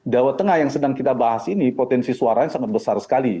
jawa tengah yang sedang kita bahas ini potensi suaranya sangat besar sekali